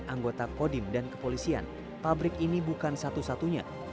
anggota kodim dan kepolisian pabrik ini bukan satu satunya